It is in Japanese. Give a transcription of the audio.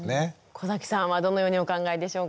小さんはどのようにお考えでしょうか。